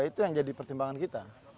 itu yang jadi pertimbangan kita